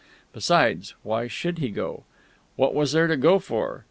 Besides, why should he go? What was there to go for?